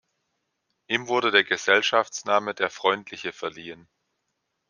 Ihm wurde der Gesellschaftsname "der Freundliche" verliehen.